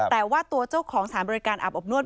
แต่ว่าตัวเจ้าของสถานบริการอาบอบนวด